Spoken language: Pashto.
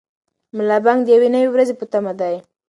ملا بانګ د یوې نوې ورځې په تمه دی.